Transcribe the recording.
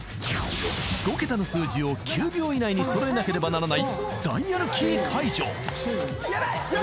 ［５桁の数字を９秒以内に揃えなければならないダイヤルキー解除］